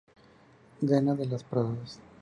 Chana de las Paradas.